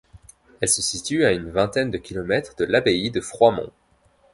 Elle se situe à une vingtaine de kilomètres de l'abbaye de Froidmont.